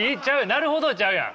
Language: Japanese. なるほどちゃうやん。